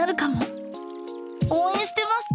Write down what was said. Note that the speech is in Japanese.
応援してます！